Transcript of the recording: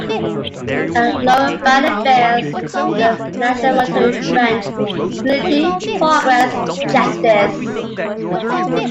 A lower banner bears the national motto in French: "Unity - Progress - Justice".